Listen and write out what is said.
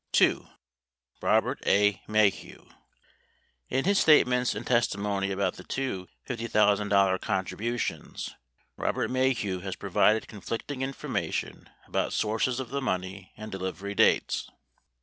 46 2. ROBERT A. MAHETT In his statements and testimony about the two $50,000 contributions, Robert Maheu has provided conflicting information about sources of the money and delivery dates.